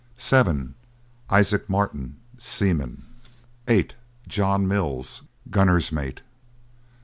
7. ISAAC MARTIN, Seaman. 8. JOHN MILLS, Gunner's Mate.